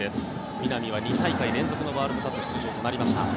南は２大会連続のワールドカップ出場となりました。